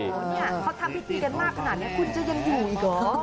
โอ้โหเนี่ยเขาทำพิธีกันมากขนาดนี้คุณจะยังอยู่อีกเหรอ